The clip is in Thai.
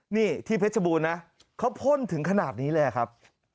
นี่ที่เพชรบูรณนะเขาพ่นถึงขนาดนี้เลยครับ